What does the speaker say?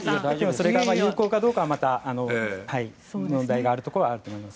それが有効かどうかは問題があるところだと思います。